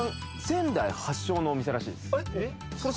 仙台発祥のお店らしいですそれ